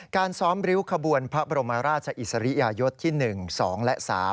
การซ้อมริ้วขบวนพระบรมราชอิสริยยศที่๑๒และ๓